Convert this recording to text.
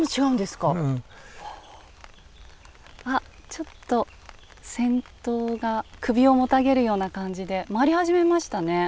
ちょっと先頭が首をもたげるような感じで回り始めましたね。